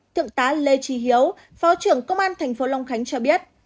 thượng tá lê tri hiếu phó trưởng công an tp hcm cho biết